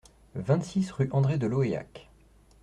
vingt-six rue André de Lohéac